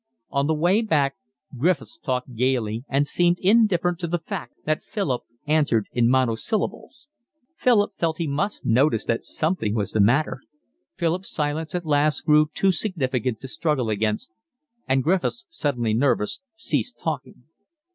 On the way back Griffiths talked gaily and seemed indifferent to the fact that Philip answered in monosyllables. Philip felt he must notice that something was the matter. Philip's silence at last grew too significant to struggle against, and Griffiths, suddenly nervous, ceased talking.